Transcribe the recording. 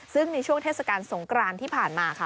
ซึ่งในช่วงเทศกาลสงกรานที่ผ่านมาค่ะ